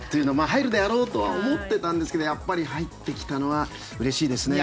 入るだろうとは思っていたんですがやっぱり入ってきたのはうれしいですね。